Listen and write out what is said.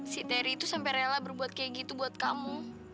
si teri sampe rela buat kayak gitu buat kamu